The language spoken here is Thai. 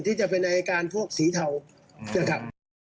มีพัยาหากถ่ายชัดเจนครับ